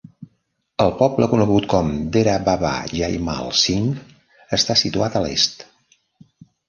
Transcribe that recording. El poble conegut com Dera Baba Jaimal Singh està situat a l'est.